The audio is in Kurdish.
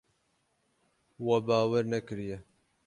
We bawer nekiriye.